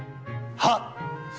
はっ。